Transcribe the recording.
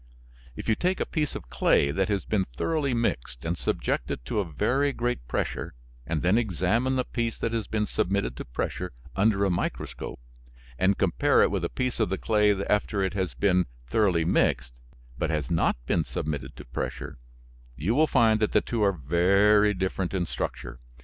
If you take a piece of clay that has been thoroughly mixed, and subject it to a very great pressure, and then examine the piece that has been submitted to pressure under a microscope and compare it with a piece of the clay after it has been thoroughly mixed, but has not been submitted to pressure, you will find that the two are very different in structure.